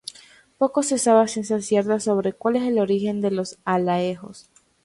Poco se sabe a ciencia cierta sobre cuál es el origen de Alaejos.